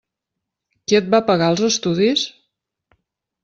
Qui et va pagar els estudis?